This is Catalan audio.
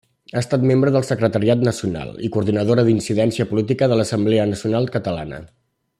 Ha estat membre del secretariat nacional i coordinadora d'incidència política de l'Assemblea Nacional Catalana.